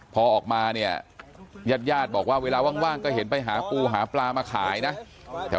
พอออกมาเนี่ยญาติญาติบอกว่าเวลาว่างก็เห็นไปหาปูหาปลามาขายนะ